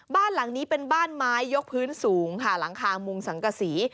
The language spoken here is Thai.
บ้านหลังนี้เป็นบ้านไม้ยกพื้นสูงค่ะหลังคามุงสังกษี